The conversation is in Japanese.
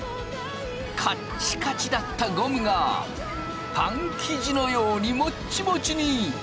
カッチカチだったゴムがパン生地のようにモッチモチに。